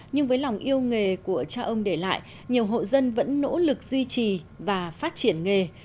nhưng với lòng yêu nghề của cha ông để lại nhiều hộ dân vẫn nỗ lực duy trì và phát triển nghề